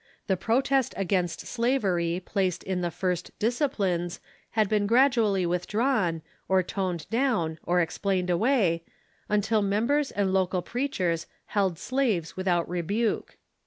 The protest against slavery placed in the first Disciplines had been gradually withdrawn, or toned down, or explained away, until members and local preachers AMERICAN METHODISM 537 held slaves without rebuke.